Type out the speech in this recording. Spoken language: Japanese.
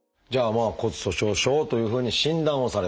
まあ「骨粗しょう症」というふうに診断をされました。